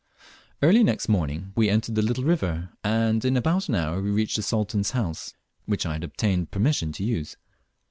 Early next morning we entered the little river, and in about an hour we reached the Sultan's house, which I had obtained permission to use.